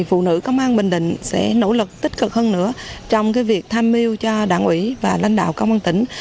phụ nữ công an bình định sẽ nỗ lực tích cực hơn nữa trong việc tham mưu cho đảng ủy và lãnh đạo công an tỉnh